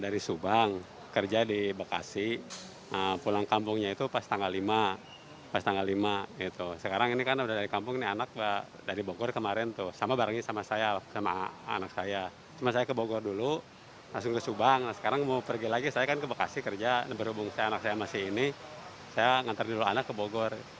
terima kasih kerja berhubung saya dan anak saya masih ini saya mengantar dulu anak ke bogor